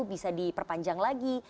bisa diperpanjang lagi